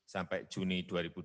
sampai juni dua ribu dua puluh